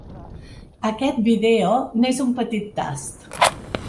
Aquest vídeo n’és un petit tast.